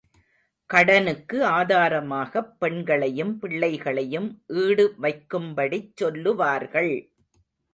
கடனுக்கு ஆதாரமாகப் பெண்களையும் பிள்ளைகளையும் ஈடு வைக்கும்படிச் சொல்லுவார்கள்.